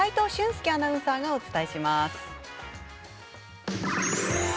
介アナウンサーがお伝えします。